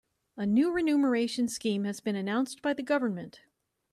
A new renumeration scheme has been announced by the government.